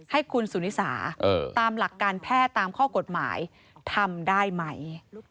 ให้คุณสุนิสาตามหลักการแพทย์ตามข้อกฎหมายทำได้ไหม